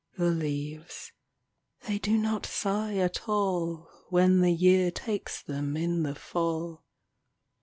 The leaves — they do not sigh at all When the year takes them in the fall.